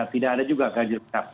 tidak ada juga ganjil genap